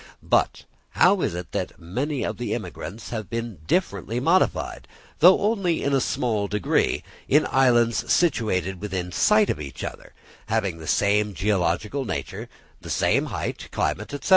But how is it that many of the immigrants have been differently modified, though only in a small degree, in islands situated within sight of each other, having the same geological nature, the same height, climate, etc?